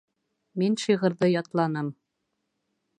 Мин шиғырҙы ятланым